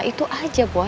itu aja boy